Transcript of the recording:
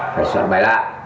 phải soạn bài lạ